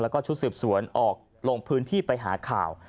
แล้วก็ชุดสืบสวนออกลงพื้นที่ไปหาข่าว